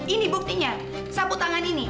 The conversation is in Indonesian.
ini buktinya sapu tangan ini